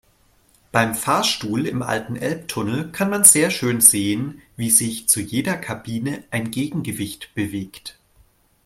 Beim Fahrstuhl im alten Elbtunnel kann man sehr schön sehen, wie sich zu jeder Kabine ein Gegengewicht bewegt.